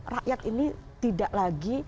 rakyat ini tidak lagi